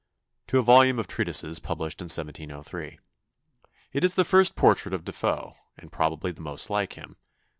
(To a volume of treatises published in 1703.) "It is the first portrait of De Foe, and probably the most like him.